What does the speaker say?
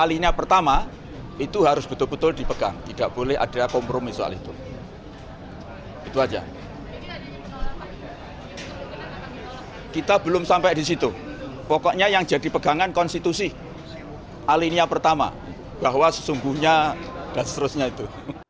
kita belum sampai di situ pokoknya yang jadi pegangan konstitusi alinia pertama bahwa sesungguhnya dan seterusnya itu